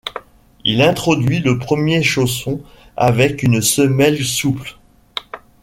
Il introduit le premier chausson avec une semelle souple.